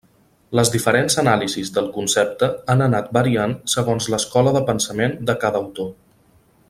Les diferents anàlisis del concepte han anat variant segons l’escola de pensament de cada autor.